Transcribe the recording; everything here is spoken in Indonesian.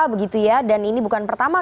begitu ya dan ini bukan pertama